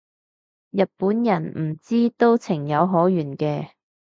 日本人唔知都情有可原嘅